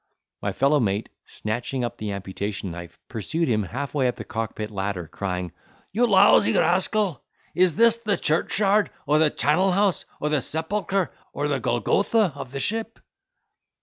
My fellow mate, snatching up the amputation knife, pursued him half way up the cock pit ladder, crying, "You lousy rascal, is this the churchyard, or the charnel house, or the sepulchre, or the golgotha, of the ship?"